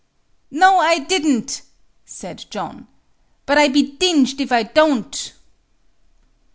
"No, I didn't," said John, "but I be dinged if I don't."